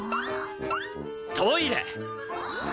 トイレ！